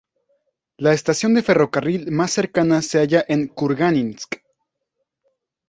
La estación de ferrocarril más cercana se halla en Kurgáninsk.